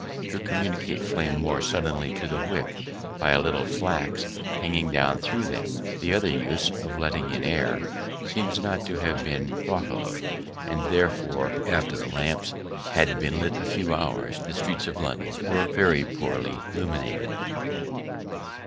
to communicate flame more suddenly to the wick by a little flax hanging down thro' them, the other use, of letting in air, seems not to have been thought of; and therefore, after the lamps have been lit a few hours, the streets of London are very poorly illuminated.